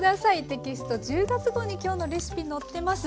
テキスト１０月号に今日のレシピ載ってます。